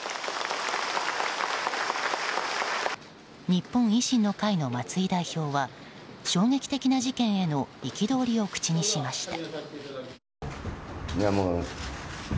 日本維新の会の松井代表は衝撃的な事件への憤りを口にしました。